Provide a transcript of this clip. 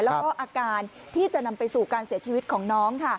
แล้วก็อาการที่จะนำไปสู่การเสียชีวิตของน้อง